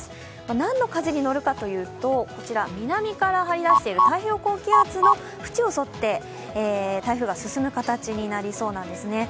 なんの風に乗るかというと、南から張り出している太平洋高気圧の縁を沿って台風が進む形になりそうなんですね。